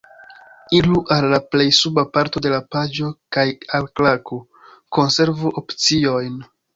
Iru al la plej suba parto de la paĝo kaj alklaku "konservu opciojn"